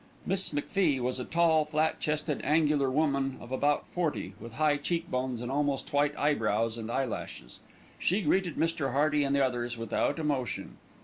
Miss MacFie was a tall, flat chested, angular woman of about forty, with high cheek bones and almost white eyebrows and eyelashes. She greeted Mr. Hearty and the others without emotion.